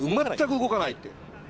◆全く動かないって。